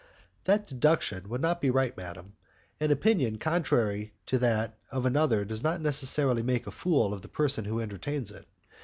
"That deduction would not be right, madam. An opinion contrary to that of another does not necessarily make a fool of the person who entertains it.